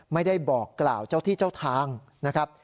ไม่ได้บอกกล่าวเจ้าที่เจ้าทางนะครับ